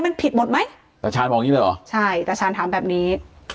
มันผิดหมดไหมตาชาญบอกอย่างงี้เลยเหรอใช่ตาชาญถามแบบนี้